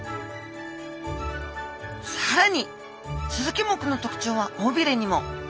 さらにスズキ目の特徴はおびれにも。